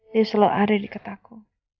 dia selalu ada deket aku